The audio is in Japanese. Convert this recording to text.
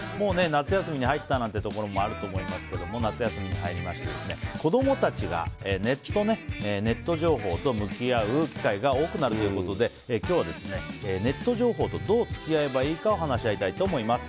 夏休みに入ったなんてところもあるでしょうけど夏休みに入りまして子供たちがネット情報と向き合う機会が多くなるということで今日はネット情報とどう付き合えばいいかを話し合いたいと思います。